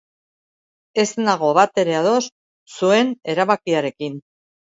Ez nago batere ados zuen erabakiarekin.